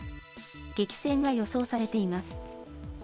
激戦が予想されています。